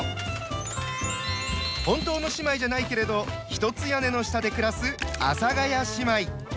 本当の姉妹じゃないけれど一つ屋根の下で暮らす「阿佐ヶ谷姉妹」。